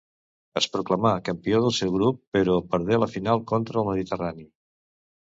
Es proclamà campió del seu grup, però perdé la final contra el Mediterrani.